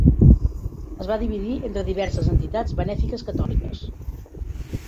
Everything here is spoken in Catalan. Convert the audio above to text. Es va dividir entre diverses entitats benèfiques catòliques.